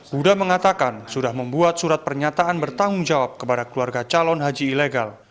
huda mengatakan sudah membuat surat pernyataan bertanggung jawab kepada keluarga calon haji ilegal